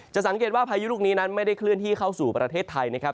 สังเกตว่าพายุลูกนี้นั้นไม่ได้เคลื่อนที่เข้าสู่ประเทศไทยนะครับ